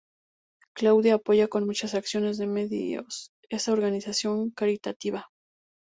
Claudia apoya con muchas acciones de medios esa organización caritativa.